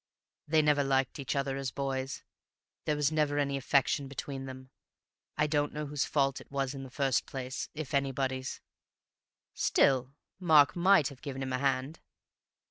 "They'd never liked each other as boys. There was never any affection between them. I don't know whose fault it was in the first place—if anybody's." "Still, Mark might have given him a hand?"